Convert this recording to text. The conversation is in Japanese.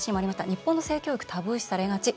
「日本の性教育タブー視されがち。